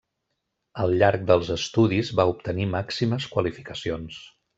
Al llarg dels estudis va obtenir màximes qualificacions.